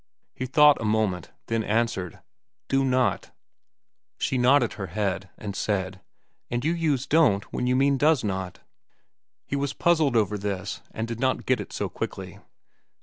He thought a moment, then answered, "'Do not.'" She nodded her head, and said, "And you use 'don't' when you mean 'does not.'" He was puzzled over this, and did not get it so quickly.